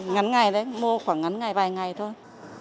ngắn ngày đấy mua khoảng ngắn ngày vài ngày thôi